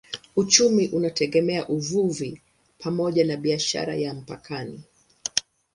Uchumi unategemea uvuvi pamoja na biashara ya mpakani.